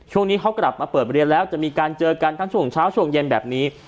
ช่วงนี้เขากลับมาเปิดเรียนแล้วจะมีการเจอกันทั้งช่วงเช้าช่วงเย็นแบบนี้